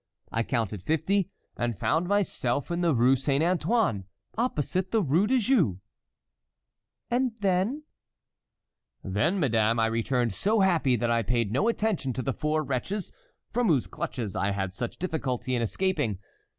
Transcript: I counted fifty, and found myself in the Rue Saint Antoine, opposite the Rue de Jouy." "And then"— "Then, madame, I returned so happy that I paid no attention to the four wretches, from whose clutches I had such difficulty in escaping.